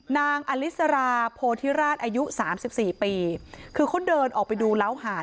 นางอลิสราโพธิราชอายุสามสิบสี่ปีคือเขาเดินออกไปดูเล้าหาด